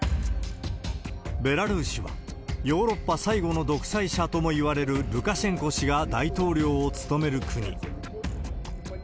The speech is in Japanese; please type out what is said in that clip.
ベラルーシは、ヨーロッパ最後の独裁者ともいわれるルカシェンコ氏が大統領を務める国。